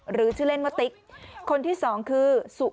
หรือชื่อเล่นว่าติ๊กคนที่สองคือสุ